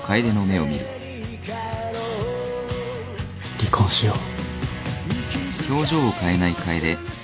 離婚しよう。